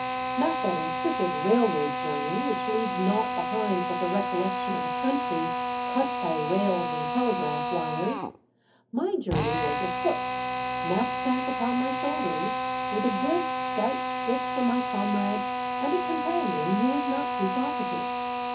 Not that insipid railroad journey which leaves naught be hind but the recollection of a country cut by rails and telegraph wires. My journey was afoot, knapsack upon my shoulders, with a good, stout stick for my comrade, and a companion who was not too talkative.